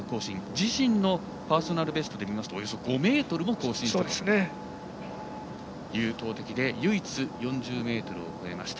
自身のパーソナルベストで見るとおよそ５ｍも更新したという投てきで唯一４０ｍを超えました。